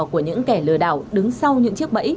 của những kẻ lừa đảo đứng sau những chiếc bẫy